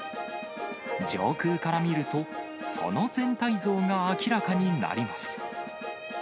上空から見ると、その全体像が明らかになります。